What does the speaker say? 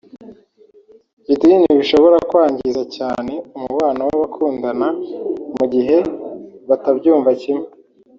idini bishobora kwangiza cyane umubano w’abakundana mu gihe batabyumva kimwe